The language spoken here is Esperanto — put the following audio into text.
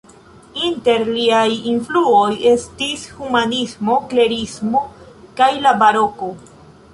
Inter liaj influoj estis humanismo, klerismo kaj la Baroko.